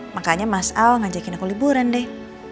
makanya mas ao ngajakin aku liburan deh